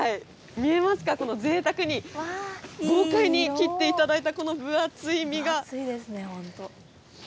見えますか、このぜいたくに、豪快に切っていただいたこの分厚い身が。